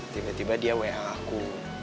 tiba tiba dia wa aku